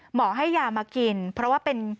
หมอให้ยามากินเพราะว่าเป็น